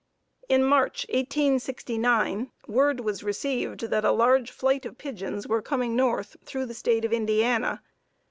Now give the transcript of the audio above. In March, 1869, word was received that a large flight of pigeons were coming north through the State of Indiana.